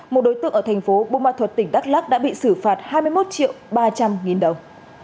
một đối tượng ở thành phố bumathut tỉnh đắk lắc đã bị xử phạt hai mươi một triệu ba trăm linh nghìn đồng